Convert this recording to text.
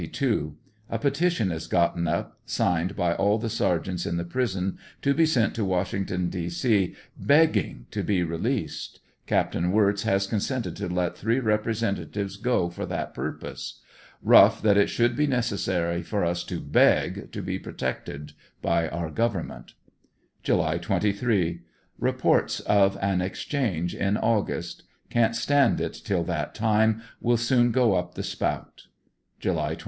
— A petition is gotten up signed by all the sergeants in the prison, to be sent to Washington, D. C, begging to be released. Capt. Wirtz has consented to let three representatives go for that puipose. Rough that it should be necessary for us to heg to be pro tected by our government. July 23. — Reports of an exchange in August. Can't stand it till that time. Will soon go up the spout. July 24.